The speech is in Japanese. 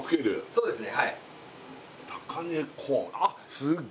そうですね